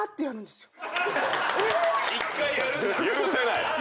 え⁉許せない？